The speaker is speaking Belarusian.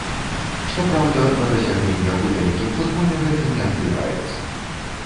Што праўда, на дасягненнях у вялікім футболе гэта не адбіваецца.